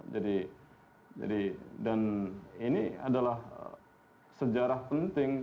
jadi jadi dan ini adalah sejarah penting